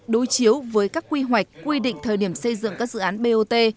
đối chiếu với các quy hoạch quy định thời điểm xây dựng các dự án bot